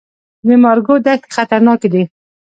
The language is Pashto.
د مارګو دښتې خطرناکې دي؟